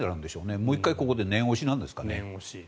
もう１回、ここで念押しなんですかね。